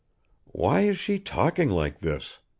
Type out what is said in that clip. "Why is she talking like this?"